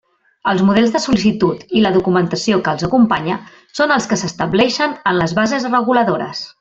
Els models de sol·licitud i la documentació que els acompanya són els que s'establixen en les bases reguladores.